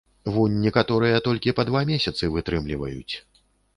Вунь некаторыя толькі па два месяцы вытрымліваюць.